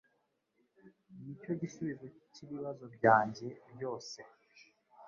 Nicyo gisubizo cyibibazo byanjye byose